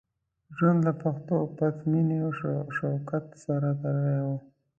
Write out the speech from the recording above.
ژوند له پښتو، پت، مینې او شوکت سره تړلی وو.